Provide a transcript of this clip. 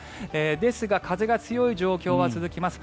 ですが、風が強い状況は続きます。